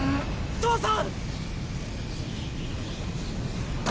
父さん！